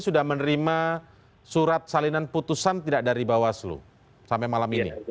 baru sore tadi kita terima